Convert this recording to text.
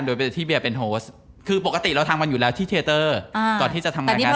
โดยที่เบียร์เป็นโฮสคือปกติเราทำกันอยู่แล้วที่เทียเตอร์ก่อนที่จะทำงานกัน